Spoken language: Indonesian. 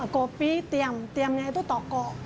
kopi tiam tiamnya itu toko